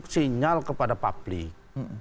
sinyal kepada publik